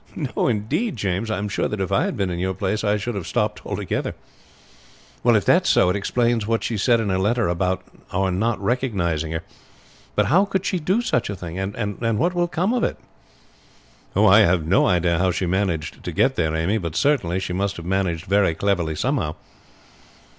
"No, indeed, James. I am sure if I had been in your place I should have stopped altogether. Well, if that is so, it explains what she said in her letter about our not recognizing her; but how could she do such a thing, and what will come of it?" "I have no idea how she managed to get there, Amy; but certainly she must have managed very cleverly somehow.